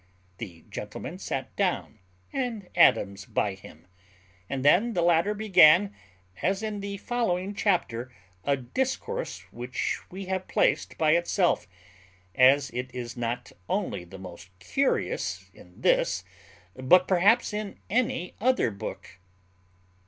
The gentleman sat down, and Adams by him; and then the latter began, as in the following chapter, a discourse which we have placed by itself, as it is not only the most curious in this but perhaps in any other book.